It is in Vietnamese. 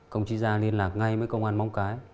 công chí ra liên lạc ngay với công an móng cái